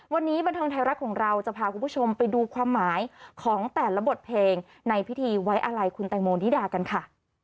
วันนี้บันเทิงไทยรัฐของเราจะพาคุณผู้ชมไปดูความหมายของแต่ละบทเพลงในพิธีไว้อะไรคุณแตงโมนิดากันค่ะ